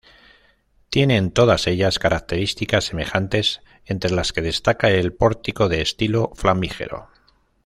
Tienen todas ellas características semejantes, entre las que destaca el pórtico de estilo flamígero.